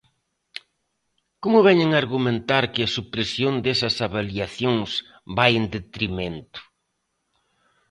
¿Como veñen argumentar que a supresión desas avaliacións vai en detrimento?